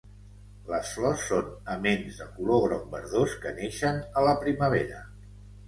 Les flors són aments de color groc verdós, que neixen a la primavera.